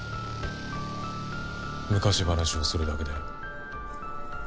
昔話をするだけだよ。